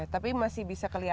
tapi masih bisa kelihatan